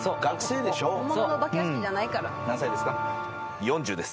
本物のお化け屋敷じゃないから。